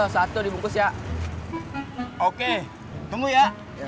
satu dibungkus ya oke tunggu ya